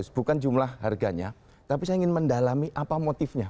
bukan jumlah harganya tapi saya ingin mendalami apa motifnya